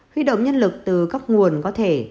huy động nhân lực từ các nguồn có thể